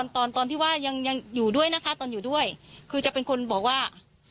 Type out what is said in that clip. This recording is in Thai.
ก็อยู่ด้วยนะคะตอนอยู่ด้วยคือจะเป็นคนบอกว่า